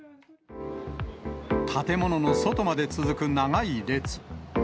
建物の外まで続く長い列。